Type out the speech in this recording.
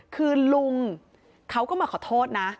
คือลุงเขาก็มาขอโทษนะ